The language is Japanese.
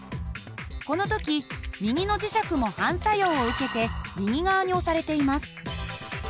この時右の磁石も反作用を受けて右側に押されています。